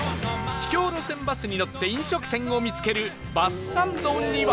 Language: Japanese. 秘境路線バスに乗って飲食店を見つけるバスサンドには